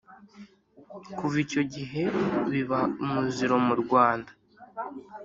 kuva icyo gihe biba umuziro mu rwanda\